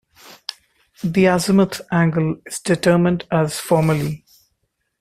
The azimuth angle is determined as formerly.